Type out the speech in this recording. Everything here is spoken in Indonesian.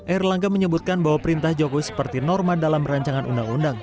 erlangga menyebutkan bahwa perintah jokowi seperti norma dalam rancangan undang undang